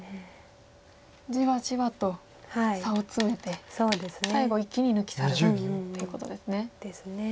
じわじわと差を詰めて最後一気に抜き去るっていうことですね。ですね。